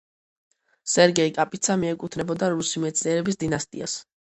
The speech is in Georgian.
სერგეი კაპიცა მიეკუთვნებოდა რუსი მეცნიერების დინასტიას.